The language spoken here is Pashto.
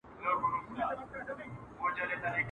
د زمري او ګیدړانو غوړ ماښام وو !.